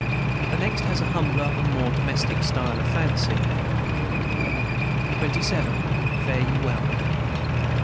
The next has a humbler and more domestic style of fancy. XXVII. FARE YE WELL.